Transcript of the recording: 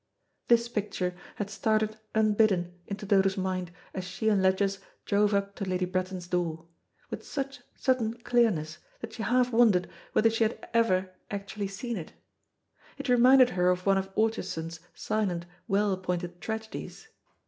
This picture had started unbidden into Dodo's mind, as she and Ledgers drove up to Lady Bretton's door, with such sudden clearness that she half wondered whether she had ever actually seen it. It reminded her of one of Orchardson's silent, well appointed tragedies.